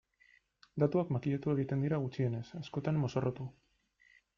Datuak makillatu egiten dira gutxienez, askotan mozorrotu.